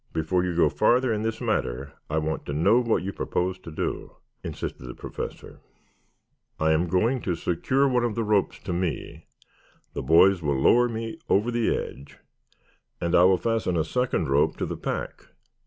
Before you go farther in this matter I want to know what you propose to do," insisted the Professor. "I am going to secure one of these ropes to me. The boys will lower me over the edge and I will fasten a second rope to the pack.